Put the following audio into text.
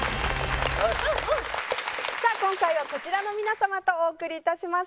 さあ今回はこちらの皆様とお送りいたします。